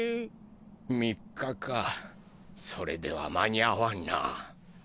３日かそれでは間に合わんなぁ。